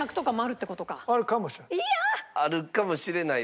あるかもしれない。